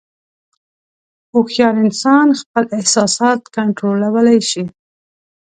هوښیار انسان خپل احساسات کنټرولولی شي.